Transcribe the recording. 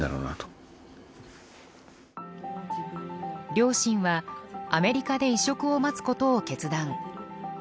両親はアメリカで移植を待つことを決断。